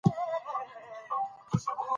هغه تر ما غوره تمرکز کوي.